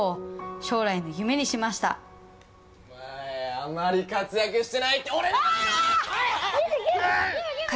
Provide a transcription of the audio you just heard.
あまり活躍してないって、俺のことか！